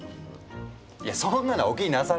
いやそんなのはお気になさらず。